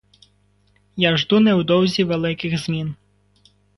Я жду невдовзі великих змін.